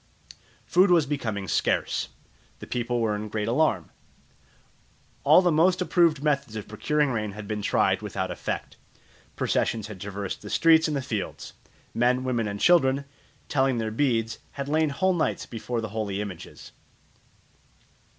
Food was becoming scarce. The people were in great alarm. All the most approved methods of procuring rain had been tried without effect. Processions had traversed the streets and the fields. Men, women, and children, telling their beads, had lain whole nights before the holy images.